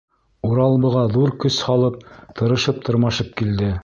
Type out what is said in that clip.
Урал быға ҙур көс һалып, тырышып-тырмашып килде.